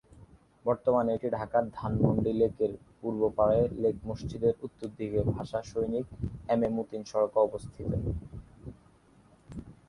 বর্তমানে এটি ঢাকার ধানমন্ডি লেকের পূর্ব পাড়ে লেক মসজিদের উত্তর দিকে ভাষা সৈনিক এমএ মতিন সড়কে অবস্থিত।